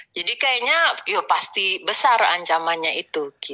jadi kayaknya pasti besar ancamannya itu